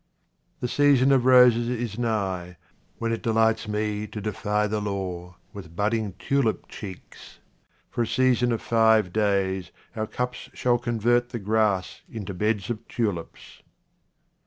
The season of roses is nigh, when it delights me to defy the law with budding tulip cheeks. For a season of five days our cups shall convert the grass into beds of tulips.